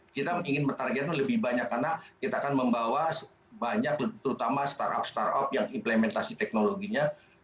kita ingin mentargetnya lebih banyak karena kita akan membawa banyak terutama startup startup yang implementasi teknologinya